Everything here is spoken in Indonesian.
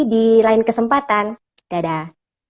di lain kesempatan dadah